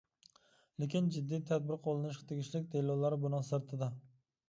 لېكىن، جىددىي تەدبىر قوللىنىشقا تېگىشلىك دېلولار بۇنىڭ سىرتىدا.